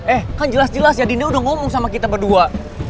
eh kan jelas jelas ya dini udah ngomong sama kita berdua